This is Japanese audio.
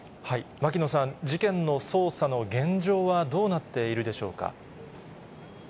牧野さん、事件の捜査の現状はどうなっているでしょうか。